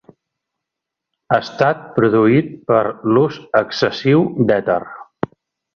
Estat produït per l'ús excessiu d'èter.